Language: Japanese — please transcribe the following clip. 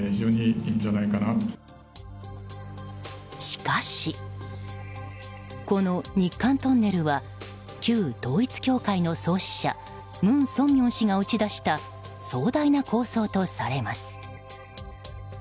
しかし、この日韓トンネルは旧統一教会の創始者文鮮明氏が打ち出した壮大な構想とされます。